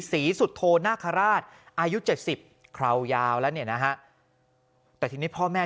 ศรีสุโธนาคาราชอายุ๗๐คราวยาวแล้วเนี่ยนะฮะแต่ทีนี้พ่อแม่